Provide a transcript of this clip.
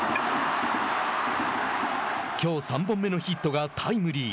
きょう３本目のヒットがタイムリー。